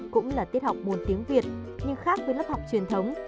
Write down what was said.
cũng là tiết học môn tiếng việt nhưng khác với lớp học truyền thống